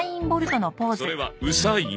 それはウサイン。